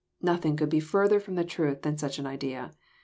Noth ing could be further from the truth than such an idea.